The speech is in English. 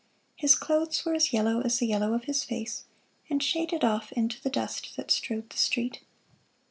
His clothes were as yellow as the yellow of his face, and shaded off into the dust that strewed the street.